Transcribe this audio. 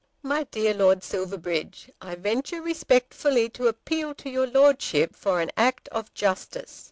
MY DEAR LORD SILVERBRIDGE, I venture respectfully to appeal to your Lordship for an act of justice.